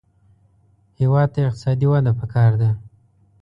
هېواد ته اقتصادي وده پکار ده